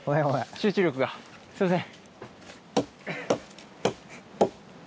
集中力がすいません。